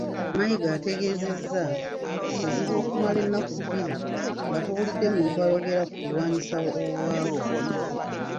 Mayiga ategeezezza nti kizibu okumala ennaku bbiri nga towulidde muntu ayogera ku kulwanyisa obwavu.